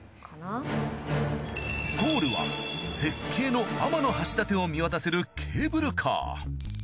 ゴールは絶景の天橋立を見渡せるケーブルカー。